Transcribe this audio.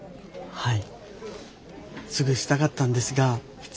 はい。